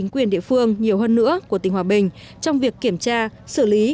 quyền địa phương nhiều hơn nữa của tỉnh hòa bình trong việc kiểm tra xử lý